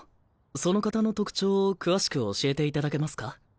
その方の特徴を詳しく教えていただけますか？